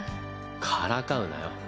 からかうなよ。